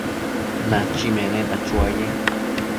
Nachi meneta chuaye